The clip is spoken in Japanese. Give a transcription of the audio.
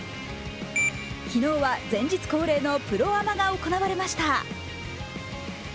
昨日は前日恒例のプロアマが行われました。